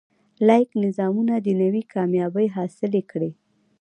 لاییک نظامونه دنیوي کامیابۍ حاصلې کړي.